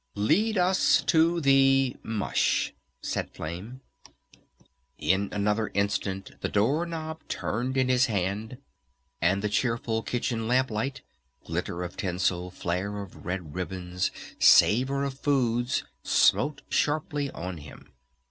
"Lead us to the mush," said Flame. In another instant the door knob turned in his hand, and the cheerful kitchen lamp light, glitter of tinsel, flare of red ribbons, savor of foods, smote sharply on him.